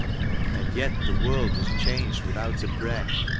And yet the world has changed without a breath.